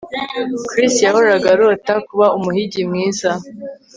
Chris yahoraga arota kuba umuhigi mwiza